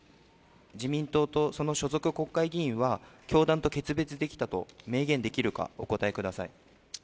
自民党とその所属国会議員は、教団と決別できたと明言できるか、お答えください。